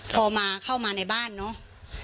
พอมาเข้ามาในบ้านเนาะ